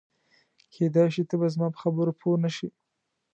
کېدای شي ته به زما په خبرو پوه نه شې.